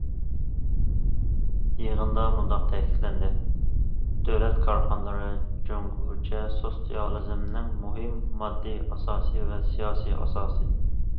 يىغىندا مۇنداق تەكىتلەندى: دۆلەت كارخانىلىرى جۇڭگوچە سوتسىيالىزمنىڭ مۇھىم ماددىي ئاساسى ۋە سىياسىي ئاساسى.